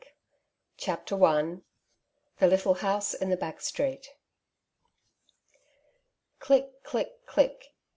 CHAPTER L THE LITTLE HOUSE IS THE BACK BTECET. Click ! click ! click